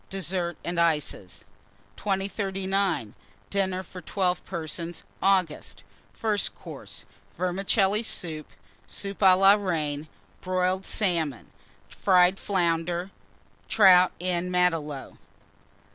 DESSERT AND ICES. 2039. DINNER FOR 12 PERSONS (August) FIRST COURSE. Vermicelli Soup. Soup à la Reine. Boiled Salmon. Fried Flounders. Trout en Matelot.